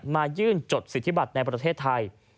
มายื่นจดสิทธิบัตรในประเทศไทย